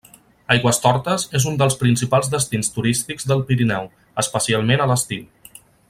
Aigüestortes és un dels principals destins turístics del Pirineu, especialment a l'estiu.